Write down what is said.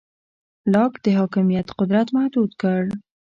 لاک د حاکمیت قدرت محدود کړ.